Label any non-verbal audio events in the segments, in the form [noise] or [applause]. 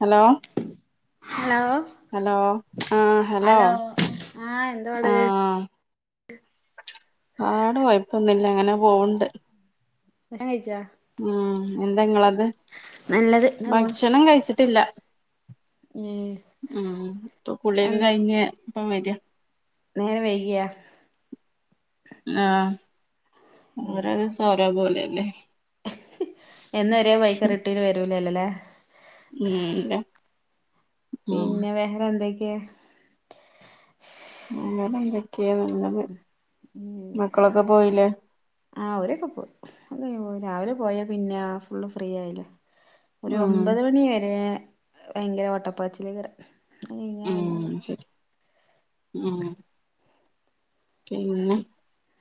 Hello hello hello hello ആ എന്തവാടെ ആട കുഴപ്പൊന്നുമില്ല അങ്ങനെ പോവ്ണ്ട് ഭക്ഷണം കഴിച്ചേ ആഎന്താങ്ങളത് നല്ലത് ഇങ്ങനെ പോണ് ഭക്ഷണം കഴിച്ചിട്ടില്ല ഏഹ് ഉം ഇപ്പൊ കുള്ളിയൊക്കെ എന്താ കഴിഞ്ഞ് ഇപ്പം വരിയാ നേരം വൈകിയ ആ ഒരോസം ഓരോ പോലെയല്ലേ എന്നു ഒരേ ബൈക്ക് റിട്ടീന് വരൂലല്ലോ ലെ ഉം അത പിന്നെ വേറെ എന്തൊക്കെയാ വേറെന്തൊക്കെയ നല്ലത് മക്കളൊക്കെ പോയില്ലേ ആ അവരൊക്കെ പോയി അ രാവിലെ പോയാ പിന്നെ ഫുള്ള് ഫ്രീ ആയില്ലേ ഒരു ഉം ഒമ്പത് മണി വരെ ഭയങ്കര ഓട്ടപ്പാച്ചിലാക്കാരം അത് കഴിഞാ ഉം പിന്നെ ശരി ഉം പിന്നെ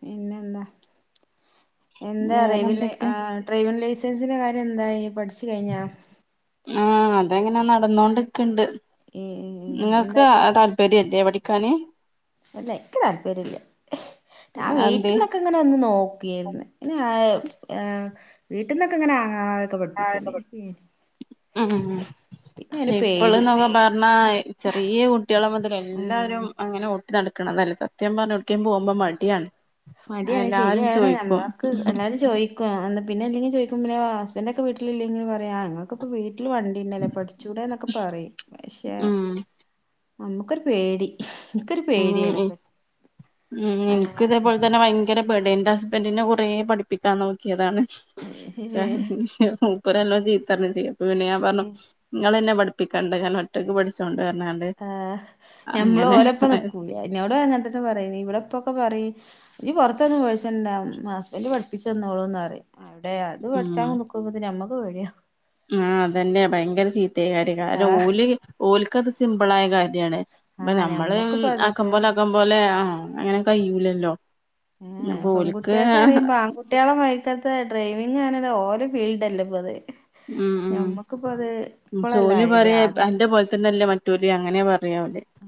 പിന്നെ എന്താ എന്താറിയോ വിലെ വേറെന്തൊക്കെയാ ഡ്രൈവിങ്ങ് ലൈസ ൻസിന്റെ കാര്യം ന്തായി പഠിച്ച് കഴിഞ്ഞോ ആ അതെങ്ങനെ നടന്നോണ്ട്ക്ക്ണ്ട് ഏഹ് ഇങ്ങക്ക് താല്പര്യല്ലേ പഠി ക്കാന് അല്ല എനിക്ക് താല്പര്യല്ല ഞാൻ അതെന്തേ വീട്ടിൽന്നൊക്കെ ഇങ്ങനെ ഒന്ന് നോക്കിന്ന് പിന്നെ അഅ് ആഏർ വീട്ടിൽന്നൊക്കെ ഇങ്ങനെ ആങ്ങണതൊക്കെ പഠിപ്പിച്ചി ആഹ് ഉം ചെഇപ്പള പേടി പന്ന് പറഞ്ഞാ ചെറിയ കുട്ടികളെ മുതൽ ഉം എല്ലാരും അങ്ങനെ നടക്കണതല്ല സത്യം പടക്കേ പോകുമ്പോ മടിയാണ് മടിയാണ് എല്ലാരും ശരിയാണ്േ ചോയിക്കും നമ്മക്ക് എല്ലരും ചോദിക്കും പിന്നെ എല്ലെങ്കും ചോദിക്കുമ്പ ഇന്റെൊക്കെ വീിലില്ലെങ്കില പറയാ നിങ്ങൾക്കൊക്കെ വി വീട്ടില് വണ്ടിന്നല്ലേ പഠിച്ച കൂടെന്നൊക്കെ പറയും പക്ഷെ ഉം നമുക്കൊരു പേടി എനിക്കൊരു ഉം പേടിയാണ് ഉം എനക്ക് ഇതേപോലെ അങ്ങനെ തന്നെ ഭയര ങ്കര പേടിയാഎന്റെ ഹസ്ബൻറിിനെ കുറെ പഠിപ്പിക്കാൻ നോക്കിയതാണ് ഇപ്പല്ലോ ചീത്തര ചെയ്യ പിന ഞാ പറഞ്ഞു നിങ്ങ എന്നെ പഠിപ്പിക്കാണ്ടാ ഒറ്റക്ക് പഠിച്ചോണ്ട് പറഞ്ഞാണ്ട് ആ് നഞമ്മള് അങ്ങനെ ഓരപ്പ നക്കൂല ഇന്നവിട അങ്ങനത്തന്നെ പറയ ഇവിടെപ്പൊക്കെ പറയും ഇനി പുറത്തൊന്നന്ന് പോേിച്ച ഹസ്ബൻറ് പഠിപ്പിച്ചുന്നോളൂന്ന് പറ ടെ അത് പഠിച്ചാൻനിക്കുമ്പ ക്ക് ഞമ്മക്ക് പേടിയാ ആ അതന്നെയ ഭയങ്കര ചീത്തയകാരി കാരണം ആഹ് ഓല് ഓൽക്കത് ളായ കാര്യമാണ് അപ്പൊ ആഹ് നമ്മള് ഞമ്മക്കിപ്പ ആക്കം അതൊക്കെ പോലെ ആക്കം പോലെ ആ അങ്ങനെ കഴൂല ല്ലോ എ. എ പെൺകട്ടിയേക്ക് അറിയുമ്പ ആൺകുട്ടികളെ മാദിരിക്കത്ത ഡ്രൈവിങ്ാനല്ല ഓല് ഫീൽഡ് അല്ല പോത് ഉം ഉം ഇപ്പളല്ല ജോലി ആയത് പറയാ ആദ്യൊന്നും എന്റെ പോലെ തന്നെല്ലേ മറ്റൂര് അങ്ങനെ പറ ആ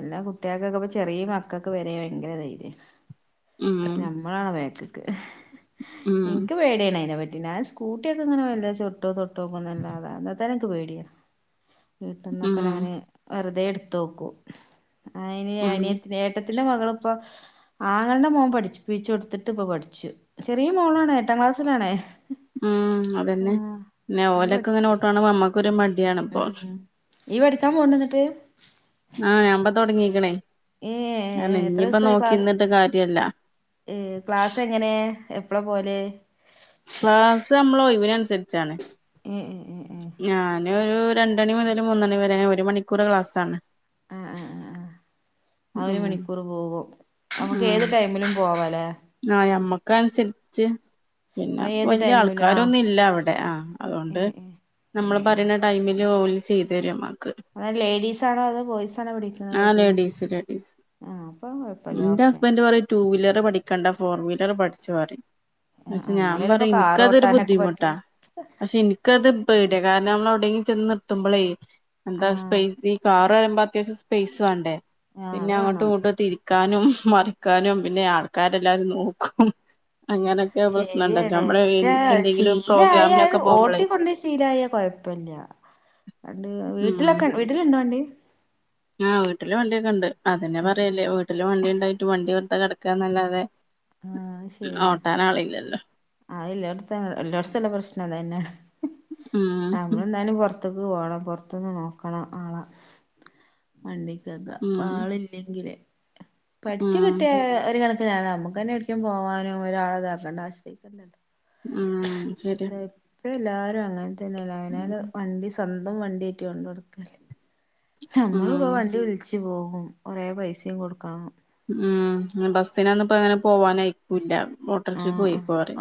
എല്ലാ കുട്ടികൾക്കൊക്കെ ഇപ്പ ചെറിയ മക്കൊക്കെ വര ഭയങ്കര ധൈര്യം ഉം ഞമ്മളാണ ബേക്കക്ക് ഉം നിനക്ക് പേടിയണ അ പ ഞാൻ സ്കൂട്ടിയൊക്കെങ്ങനെവല്ല ചോട്ടോ തൊട്ടോ ക്കുന്നല്ലാത അല്ലാത്ത ന്നെ എനിക്ക് പേടിയാണ് ഉം വീട്ടന്നൊക്കെ ഞാൻ വെറുതെ എടുത്ത് നോക്കും ഉം അന ഏട്ട ത്തിന്റെ മകള ഇപ്പോൊ ആങ്ങളുടെ മുോൻ പഠ പിിച്ചു കൊടുത്തിട്ട് ഇ പഠിച്ചു ചെറിയ മകളാണ് ഏട്ട പസിലണ ഉം അതന്നെ പിന്നെ അവൻ ഓലൊക്കെ ഇങ്ങനെ പഠിച്ചു ഓട്ടണങ്ക നമ്മക്കൊരു മ ഉം ഇയ്യ് പഠിക്കാൻ പോവ്ണ്ടോ ഇന്നിട്ട് ആ ഞാനിപ്പംതുടങ്ങി അ ഏഹ് എത്ര ഇനിയിപ്പ ദിവസായി ക്ലാസ് നോക്കിന്നിട്ട് കാര്യല്ല ഏഹ് ക്ലാസ് എങ്ങനെ എപ്പളാ പോവല് ക്ലാസ് നമ്മളെ ഒഴിവിനനുസരിച്ചാണ് ഏ ഞാന് ഒരു രണ്ടുമണി മുതൽ മൂന്നുണി വരെ ഒരു മണിക്കൂർ ക്ലാസ്സാണ് ആഹ് ആഹ് ആ ആഹ് ഒരു ഉം മണിക്കൂർ പോകും നമുക്ക് ഏത് ടൈമിലും പോവാല്ലേ ആഹ് ഞമ്മക്ക് അനുസരിച്ച് പിന്നെ അത് ഏത് വലിയ ടൈമിലും ആഹ് ആൾക്കാരൊന്നും ഇല്ല അവിടെ ആഹ് അതൊണ്ട് ഏഹ് നമ്മള് ഏഹ് പറയുന്ന ടൈമിൽ ജോലി ചെയ്തു തരുമാ അലേഡീസാണോ അതോ ബോയ്സാണോ വിളിക്കുന്നത് ആ കുഴപ്പില്യ ലേഡീസ് ലേഡീസ് എന്റെ ഹസ്ബൻഡ് പറയും ടു വീലർ പഠിക്കണ്ട ഫോർ വീലർ പഠിച്ചോ പറയും ആഹ് പക്ഷെ ആഹ് ഞാൻ എന്നാലല്ലേ ഇപ്പൊ പറയും കാറ് എനിക്കതൊരു ഓട്ടാനൊക്കെ ബുദ്ധിമുട്ടാ പറ്റുള്ളൂ പക്ഷെ എനിക്കത് പേടിയാ കാരണം നമ്മള് എവിടെയെങ്കിലും ചെന്ന് നിർത്തുമ്പോളേ എന്താ ആഹ് സ്പെയ്സി കാർ ഇവിടെ വരുമ്പോ അത്യാവശ്യം സ്പേസ് വേണ്ടേ ആഹ് പിന്നെ അത് അങ്ങോട്ടും വേണം ഇങ്ങോട്ടും തിരി ക്കാനും മറിക്കാനും പിന്നെ ആൾക്കാരെല്ലാരും നോക്കും അങ്ങനൊക്കെ പ്രശ്നണ്ടല്ലോ ശരിയാണ് നമ്മള് പക്ഷെ എന്തെങ്കിലും ശീലായാൽ പ്രോഗ്രാമിനൊക്കെ പോകുമ്പളേ ഓട്ടിക്കൊണ്ട് ശീലായ കുഴ പ്പില്ല അണ്ട് ഉം വീട്ടിലൊക്കെ വീട്ടിലിണ്ടോ വണ്ടി ആഹ് വീട്ടില് വണ്ടിയൊക്കെണ്ട് അതന്നെ ആഹ് പറയല് വീട്ടില് വണ്ടി ഉണ്ടായിട്ട് വണ്ടി വെറുതെ കിടക്കാന്നല്ലാതെ അത് ഓട്ടാനാളില്ലല്ലോ ആഹ് എല്ലാടെത്തെ എല്ലായിടത്തെയുള്ള പ്രശ്നം അതന്നെ നമ്മൾ ഉം എന്നാലും പുറ പുറത്തക്ക് പോണം പുറത്തുന്ന് നോക്കണം ആഹ് വണ്ടി ഉം ആളില്ലെങ്കിലേ പഠിച്ചു ഉം കിട്ടിയ ഒരു കണ നമ്മുക്ക് തന്നെ കിട്ടിയ പോവാനും ഒരാളെ ഇതാക്കണ്ട ആശ്രയിക്കണ്ടാല്ലോ ഉം ശരിയാ ഇപ്പ എല്ലാരും അങ്ങനെ തന്നെയല്ലേ അയിനാല് വണ്ടി സ്വന്തം വണ്ടിയേറ്റ് കൊണ്ട് കൊടുക്കല്ലേ നമ്മളിപ്പോ ഉം വണ്ടി വിളിച്ച് പോകും കൊറേ പൈസയും കൊടുക്കണം ഉം ബസ്സിനൊന്നും ഇപ്പോ അങ്ങനെ പോവാനയിക്കൂല്ല ആഹ്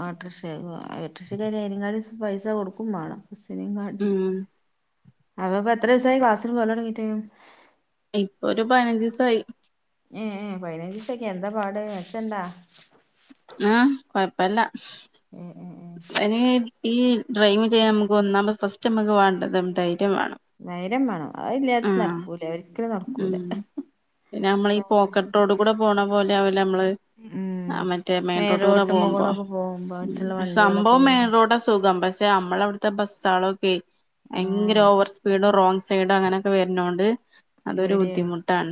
ആഹ് ഓട്ടർഷേ പോവാ ഓട്ടർഷേല് ആണേ അതിനങ്ങാട്ടി പൈസ കൊടുക്കും വേണം ബസ്സിനെങ്ങാട്ടി ഉം അപ്പൊഇപ്പോ എത്ര ദിവസായി ക്ലാസ്സിൽ പോവാൻ തോടങ്ങിട്ട് ഇപ്പൊ ഒരു പതിനഞ്ച് ദിവസായി ഏഹ് ഏ പതിനഞ്ച് ദിവസൊക്കെ എന്താ പാട് മെച്ചണ്ടാ ആഹ് കൊഴപ്പില്ല ഉം ഉം [unintelligible] ഡ്രൈവ് ചെയ്യാൻ നമുക്ക് ഒന്നാമത് ഫസ്റ്റ് നമ്മുക്ക് വേണ്ടത് [unintelligible] നേരം വേണം അത് ഇല്ലാതെ ആഹ് നടക്കൂല ഒരിക്കലും നടക്കൂല ഉം പിന്നെ നമ്മളെ ഈ പോക്കറ്റ് റോഡ് കൂടെ പോണപോലെ നമ്മള് ഉം ആമറ്റേ മേല് മെയിൻറോട്ടികൂടെ റോട്ടുമ്മ പോകുമ്പോ കൂടൊക്കെ പോകുമ്പോ മറ്റുള്ള വണ്ടികളൊക്കെ സംഭവം വരും മെയിൻ റോഡാ സുഖം പക്ഷെ നമ്മളവിടുത്തെ ബസ്സാളൊക്കെ ഭയങ്കര ആഹ് ഓവർ സ്പീഡോ റോങ് സൈഡാ അങ്ങനെയൊക്കെ വരുന്നോണ്ട് അതൊരു പേടിയാണ് ബുദ്ധിമുട്ടാണ്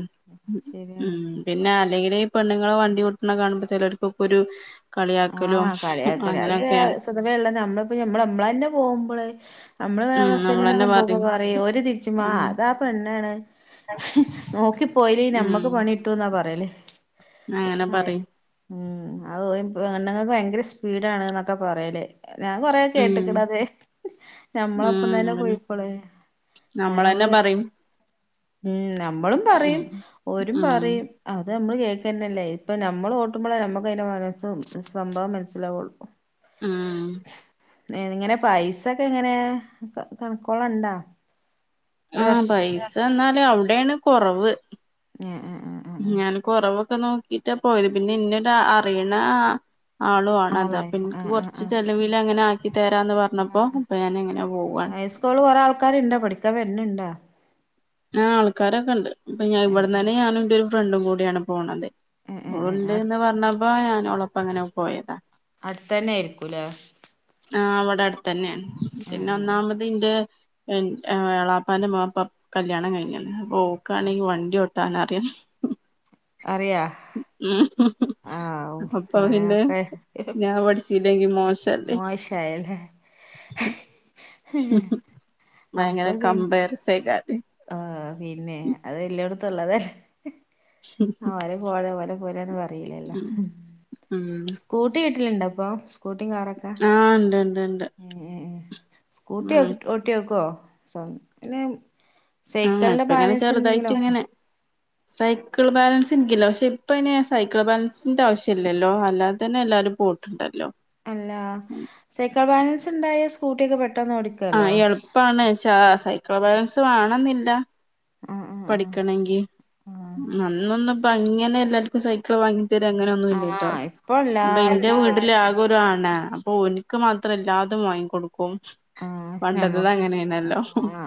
ശരിയാണ് ഉം പിന്നെ അല്ലെങ്കിലെ ഈ പെണ്ണുങ്ങളെ വണ്ടി ഓട്ടണ കാണുമ്പോ ചിലർക്കൊക്കൊരു കളിയാക്കലും അങ്ങനെ സ്വതവേള്ള നമ്മളിപ്പോ നമ്മ നമ്മളെന്നെ പോകുമ്പോളേ നമ്മള് ഉം നമ്മടെ നമ്മളന്നെ ഹസ്ബൻഡിനൊപ്പം പോവുമ്പോ പറയും ഓര് തിരിച്ചുമാ ഉം അതാ പെണ്ണാണ് നോക്കിപ്പോയില്ലെങ്കിൽ നമ്മക്ക് ഉം പണി കിട്ടുന്നാ പറയല് അങ്ങനെ പറയും ഉം അത് ഓ പെണ്ണുങ്ങൾക്ക് ഭയങ്കര സ്പീഡാണ് എന്നൊക്കെ പറയല് ഞാൻ കൊറേ ഉം കേട്ടക്കിണത് ഞമ്മളപ്പം ഉം തന്നെ അതന്നെ പോയിപ്പോളെ നമ്മളന്നെ പറയും ഉം നമ്മളും ഉം പറയും ഓരും ഉം പറയും അത് നമ്മള് കേൾക്കന്നല്ലേ ഇപ്പ നമ്മള് കോട്ടുമ്പോളേ നമ്മുക്ക് അതിന്റെ മനസ്സും സംഭവം മനസ്സിലാവുള്ളു ഉം [unintelligible] ഏ ഇങ്ങനെ പൈസൊക്കെ ഇങ്ങനെ കണക്കോളണ്ടാ ആ പൈസ എന്നാലും അവിടെയാണ് കൊറവ് ആ ആ ആ ആ ഒക്കെ നോക്കിട്ടാ പോയത് പിന്നെ ഇന്നൊരു അറിയണ ആളു ആണ് അത് ആളായി പിന്നെ കുറച്ച് ചെലവിൽ അങ്ങനെ തരാന്ന് ആ പറഞ്ഞപ്പോ അപ്പൊ ഞാൻ അങ്ങനെ പോവാണ് ഹൈസ്കൂള് കുറെ ആൾക്കാരു ഇണ്ടോ പഠിക്കാൻ വരുന്ന ഇണ്ടോ ആ ആൾക്കാരൊക്കെ ഉണ്ട് ഇപ്പഞൻ ആഹ് ഇവിടന്ന് ആഹ് തന്നെ ഞാനും ഇന്റെ ഒരു ഫ്രണ്ടും കൂടിയാണ് പോണത് ഉം ഉം ഉം അടു ഉണ്ടെന്നു പറഞ്ഞപ്പോ ഞാൻഅവളൊപ്പം അങ്ങനെ പോയതാ അടുത്തതന്നെ യിരിക്കൂലേ തന്നെയാണ് പിന്നെ ഒന്നാമത് ഇന്റെ വളാപ്പാന്റെ മാപ്പ കല്യാണം കഴിഞ്ഞ അപ്പൊ ഓക്കയാണെങ്കിൽ വണ്ടി ഒട്ടാന അറിയാം അറയാ അപ്പൊ ഞാൻ പഠിച്ചില്ലെങ്കി മോ ഓശായല്ല ഭയങ്കര അപ്പൊ ചെയ്നി കമ്പയർസേക്കാരം ആ പിന്നെ അതെല്ലോടത്തള്ളതല്ലേ ആ ഓരെ പോലെ ഓലെ പോലന്നന്ന് പറലല്ലോ ഉം സ്കൂട്ടി കിട്ടലുണ്ടോ അപ്പൊ സ്കൂട്ടിയ കാറൊക്കെ ആഹ് ഇണ്ട് ഇണ്ട് ഇണ്ട് സ്കൂട്ടി ഉം ഓട്ടി വോക്കോ [unintelligible] പിന്നെ ആഹ് സൈക്കിളിന്റെ ഇപ്പ ഇങ്ങനെ ബാലൻസ് ഉണ്ടെങ്കിലോ. ചെറുതായിട്ട് ഇങ്ങനെ സൈക്കിൾ ബാലൻസ് എനിക്കില്ല, പക്ഷെ ഇപ്പൊ ഇനി സൈക്കിൾ ബാലൻസിന്റെ ആവശ്യം ഇല്ലല്ലോ അല്ലാതെ തന്നെ എല്ലാരും. പോയിട്ടുണ്ടല്ലോ അല്ല സ്കൂട്ട് ഒക്കെ പെ ആഹ് എളുപ്പാണ് സെ സൈക്കിൾ ബാലൻസ് വേണമെന്നില്ല ആഹ് ആഹ് പഠിക്കണമെങ്കിൽ ആഹ് അന്നൊന്നും. ഇപ്പൊ അങ്ങനെ എല്ലാവർക്കും സൈക്കിൾ വാങ്ങി. തരു അങ്ങനെ ആഹ് ഒന്നുമില്ലാട്ടോ ആഹ് ഇപ്പൊ അപ്പൊ എന്റെ എല്ലാർക്കും വീട്ടില് സൈക്കിളാ ആകെ ഒരു ആണ്. ഓനിക്ക് മാത്രമല്ലാതെ വാങ്ങി കൊടുക്കും. ആഹ് പണ്ടത്തത് ഞമ്മുക്ക് അങ്ങനെയാണല്ലോ ആ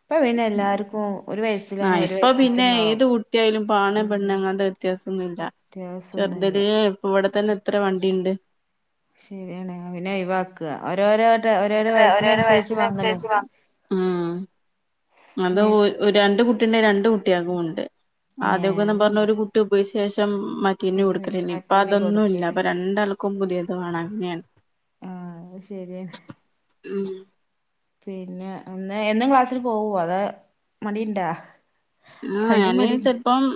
ഇപ്പൊ പിന്നെ എല്ലാർക്കും ഒരു വയസ്സ്. ആ ഇപ്പൊ പിന്നെ ഏത് കുട്ടിയാലും ആണ് ഉം പെണ്ണ് അങ്ങനത്തെ വ്യത്യാസം ഒന്നുമില്ല വ്യത്യാസൊന്നുല്ല ചെറുതിലെ. ഇവിടെ തന്നെ എത്ര വണ്ടിയുണ്ട്. ശരിയാണ് അവനെ ഒഴിവാക്കുക ഓരോരു ഓരോരോ വയസ്സിന് അനുസരിച്ച് വാങ്ങി, ഉം. അത് അയ്നൻസ ഒ രണ്ട് കുട്ടിയുണ്ടെ രണ്ടു കുട്ടികൾക്കും ഉം. ആദ്യയൊക്കെ ഏഹ് എന്ന് പറഞ്ഞു അത്ണ്ട് ഒരു കുട്ടി [unintelligible] ശേഷം. മറ്റേന് പിന്നെ കൊടുക്കല്ലന്ന് ഇപ്പൊ മറ്റേന് അതൊന്നുമില്ല കൊടുക്കല് അപ്പൊ രണ്ടാൾക്കും പുതിയത് വേണം അങ്ങനെയാണ്. ആഹ് അതുശരിയാണ്. ഉം പിന്നെ എന്നാ എന്നും ക്ലാസ്സിൽ പോകുവോ അതോ മടി ഇണ്ടോ. ആഹ് ഞാന് ചെലിപ്പം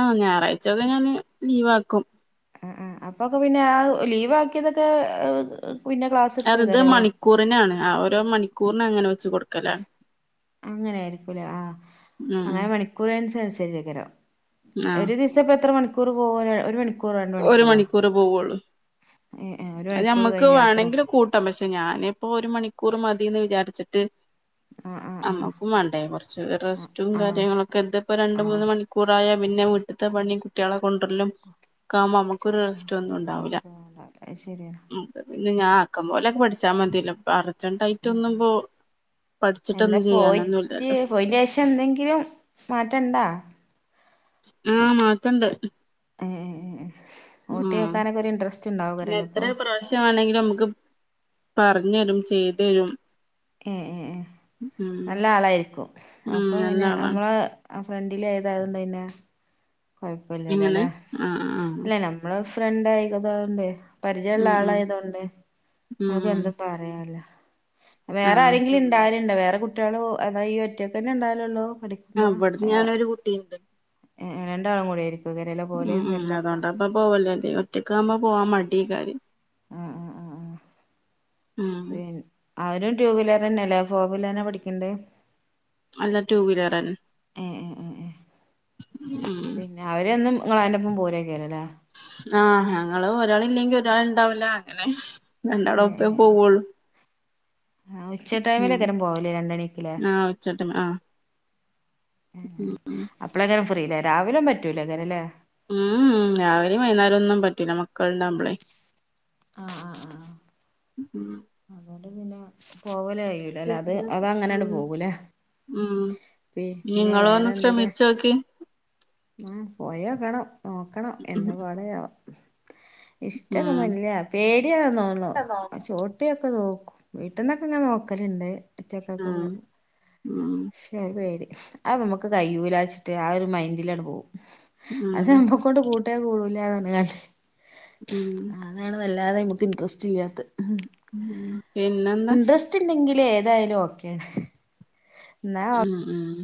ആഹ് ഞായറാഴ്ച ഒക്കെ ഞാന് ലീവ് ആകും. ആഹ് ആഹ് അപ്പൊയൊക്കെ പിന്നെ ആ ലീവ് ആക്കിയതൊക്കെ ഏർ. അതത് മണിക്കൂറിനാണ് ഓരോ മണിക്കൂറിന് അങ്ങനെ വെച്ച് കൊടുക്കലാണ്. അങ്ങനെ ആയിരിക്കൂല്ലോ, ആ ഉം അങ്ങനെ മണിക്കൂർ അനുസരിച്ച്. [unintelligible] ആഹ് ഒരു ദിവസം ഇപ്പൊ എത്ര മണിക്കൂർ പോകാൽ ഒരു മണിക്കൂ ഒരു മണിക്കൂർ പോവുള്ളൂ, ഏ ഏ ഒരു അത് മണിക്കൂർ ഞമ്മുക്ക് കഴിഞ്ഞ അത്ര വേണമെങ്കിൽ കൂട്ടം പക്ഷെ. ഞാനിപ്പോ ഒരു മണിക്കൂർ മതിയെന്ന് വിചാരിച്ചിട്ട്. ആ ആ ആ നമുക്കും വേണ്ടേ കുറച്ചു ആ റെസ്റ്റും ആ കാര്യങ്ങളൊക്കെ എന്തിപ്പോ രണ്ട് ആ മൂന്ന് മണിക്കൂറായാൽ. പിന്നെ വീട്ടിത്തെ പണി കുട്ടികളെ കൊണ്ടുവരലും. കാം നമുക്കൊരു റെസ്റ്റ് ഒന്നും ഉണ്ടാവില്ല അത് ശരിയാണ് ഉം. ഇന്ന് ഞാൻ ആക്കം പോലെയൊക്കെ പഠിച്ചാൽ മതിയല്ലോ ഇപ്പൊ അർജൻ്റ് ആയിട്ട് ഒന്നും ഇപ്പൊ. എന്താ പോയിട്ട് പോയിന് ശേഷം എന്തെങ്കിലും മാറ്റമുണ്ടോ. ആഹ് മാറ്റമുണ്ട്. ഏ ഊട്ടി ഉം നോക്കാനൊക്കെ ഒരു ഇൻട്രസ്റ്റ് പിന്നെ ഉണ്ടാവുകാരല്ലോ എത്ര ഇപ്പൊ പ്രാവശ്യമാണെങ്കിലും നമുക്ക്. പറഞ്ഞുതരും ചെയ്തുതരും. ഏഹ് ഏഹ് നല്ല ആളായിരിക്കും ഉം അപ്പൊ നല്ല പിന്നെ ആളാണ് നമ്മള്. ആ ഫ്രണ്ടിലെ ഏതായത്. [unintelligible] കൊഴപ്പില്ലല്ലേ എങ്ങനെ അല്ലെ ആഹ് ആഹ് അല്ല നമ്മള്. ഫ്രണ്ട് ആയതോണ്ട് പരിചയമുള്ള ഉം ഉം ആളായിതോണ്ട് ഉം നമുക്ക് ഉം എന്തും പറയാലോ. വേറെ ആഹ് ആരെങ്കിലും ഇണ്ടായാലുണ്ടോ വേറെ കുട്ടികളോ അതോ ഈ ഒറ്റയ്ക്ക് തന്നെ ഇണ്ടായാലല്ലോ. അവിടുന്ന് ഞാന് ഒരു കുട്ടിയുണ്ട്. ഏഹ് രണ്ടാളും കൂടെ. ഉം ഉം അതുകൊണ്ട് ഇപ്പൊ പോവൂല, അല്ലെ ഒറ്റക്ക് ആവുമ്പോ പോവാൻ മടി കാര്യം. ഉം പിന്നെ അവരും ടു വീലർ തന്നെയല്ലേ ഫോർ വീലറിനെ പഠിക്കണ്ടേ. അല്ല ടു വീലറന്നെ ഏഹ് ഏഹ് ഏഹ് ഉം പിന്നെ അവരൊന്നും. നിങ്ങള് അയിന്റെ ഒപ്പം പോകല്ലേ. ആഹ് ഞങ്ങള് ഒരാൾ ഇല്ലെങ്കിൽ ഒരാൾ ഇണ്ടാവില്ല അങ്ങനെ. രണ്ടാളും ഒപ്പേ പോവുള്ളൂ. ആഹ് ഉച്ച ടൈമില് ഉം ഇക്കരം പോവൂലെ രണ്ട്. ആഹ് ഉച്ചടൈം ആഹ് [unintelligible] അപ്പോളായിരിക്കില്ല ഫ്രീ രാവിലും പറ്റൂലേ അങ്ങനെയല്ലേ. ഉം രാവിലെയും വൈകുന്നേരം ഒന്നും പറ്റൂല്ല മക്കള ഉണ്ടുമമ്പളെ ആഹ് ആഹ് ആഹ് ഉം അതുകൊണ്ട് പിന്നെ പോവല അയൂലല്ല അത് പിന്നെ അത അങ്ങനാണ് ഉം പോകൂലേ ഉം പിന്നെ നിങ്ങളോ ഒന്ന് വേറെ എന്തൊക്കെ ശ്രമിച്ചോക്കി ആ പോയോക്കണം നോക്കണം ഉം എന്താ പാടയാവാ ഇഷ്ടൊക്ക ഉം ഒന്നുംല്ല പേടിയതാ തോന്നണോ ഉം ചോട്ടിയൊക്കെ നോക്ക വീട്ടന്നൊക്കെ ഇെ നോക്കലുണ്ട് പിറ്റക്കൊക്കെ ന ഉം ശരി പേടി ആ നമുക്ക് കയ്യൂലാച്ചിട്ട് ആ ഒരു മൈൻഡിലാണ് പോകവും അത് ഉം നമ്മക്കോട്ട കൂട്ടിയ കൂടില്ലെന്ന് കണ്ടെ ഉം അല്ലാതെ നമുക്ക് ഇന്ട്രെസ്റ് ഇല്ലാത്ത ഉം പിന്നെന്താ ഇന്റെരെസ്റ്റ്‌ ഉണ്ടേ ഏതായാലും ഓക്കെയാണ് എന്നാ ഉം ഉം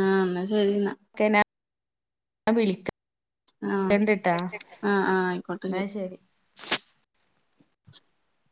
ആഹ എന്നാ ശരി വിളിക്ക ആഹ് കണ്ടിട്ടാ ആഹ് ആഹ് ആയിക്കോട്ടെ എന്നാ ശരി [unintelligible]